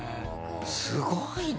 すごいな。